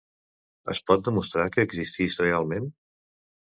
Es pot demostrar que existís realment?